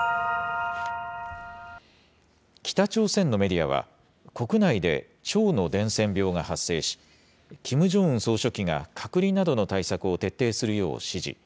北朝鮮のメディアは、国内で腸の伝染病が発生し、キム・ジョンウン総書記が隔離などの対策を徹底するよう指示。